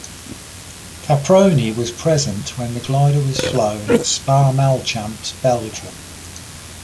Caproni was present when the glider was flown at Spa-Malchamps, Belgium.